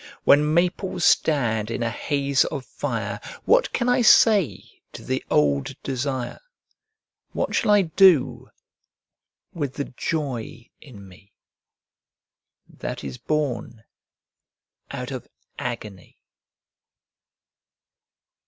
When maples stand in a haze of fire What can I say to the old desire, What shall I do with the joy in me That is born out of agony?